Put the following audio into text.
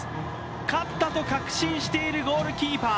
勝ったとき確信しているゴールキーパー。